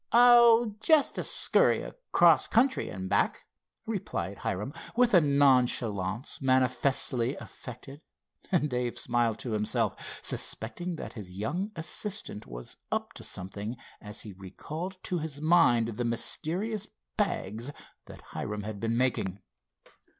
"Oh, just a scurry across country, and back," replied Hiram, with a nonchalance manifestly affected, and Dave smiled to himself, suspecting that his young assistant was up to something as he recalled to his mind the mysterious bags that Hiram had been making.